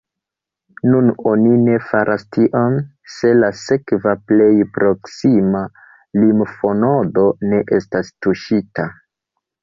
Nun oni ne faras tion, se la sekva plej proksima limfonodo ne estas tuŝita.